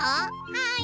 はい。